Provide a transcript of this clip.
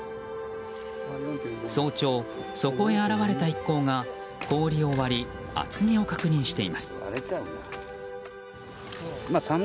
早朝、そこへ現れた一行が氷を割り、厚みを確認しています。